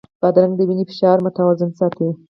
بادرنګ د وینې فشار متوازن ساتي.